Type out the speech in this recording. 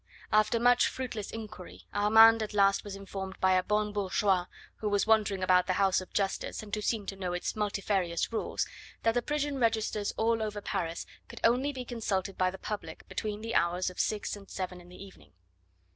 After much fruitless inquiry, Armand at last was informed by a bon bourgeois, who was wandering about the house of Justice and who seemed to know its multifarious rules, that the prison registers all over Paris could only be consulted by the public between the hours of six and seven in the evening.